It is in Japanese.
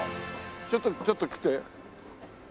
ちょっとちょっと来て。